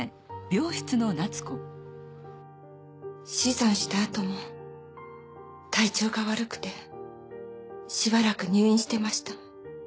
死産したあとも体調が悪くてしばらく入院してました。